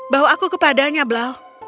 bawa aku kepadanya blau